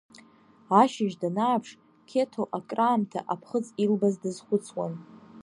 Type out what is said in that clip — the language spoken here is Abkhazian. Ашьыжь данааԥш Қьеҭо акраамҭа аԥхыӡ илбаз дазхәыцуан.